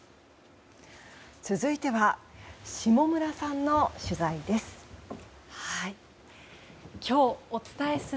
続いては下村さんの取材です。